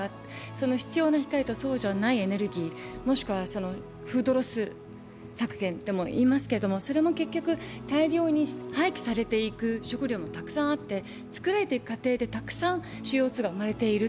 その必要な光とそうじゃないエネルギー、もしくはフードロス削減も言いますけれども、それも結局大量に廃棄されていく食料もたくさんあって、作られていく過程で、たくさんＣＯ２が生まれている。